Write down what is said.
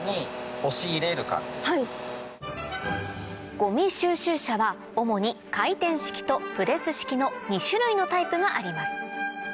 ごみ収集車は主に回転式とプレス式の２種類のタイプがあります